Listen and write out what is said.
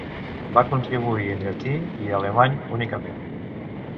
Va contribuir en llatí i alemany únicament.